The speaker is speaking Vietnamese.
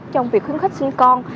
trong việc khuyến khích sinh con